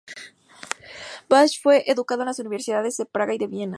Basch fue educado en las universidades de Praga y de Viena.